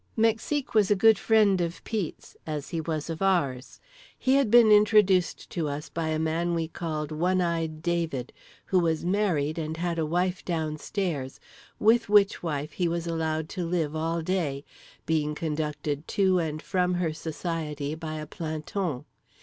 Mexique was a good friend of Pete's, as he was of ours. He had been introduced to us by a man we called One Eyed David, who was married and had a wife downstairs, with which wife he was allowed to live all day—being conducted to and from her society by a planton.